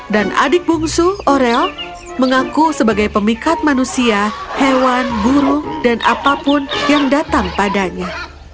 dan adik bungsu orel mengaku sebagai pemikat manusia hewan guru dan apapun yang datang padanya